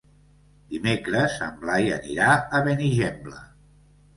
Dimecres en Blai anirà a Benigembla.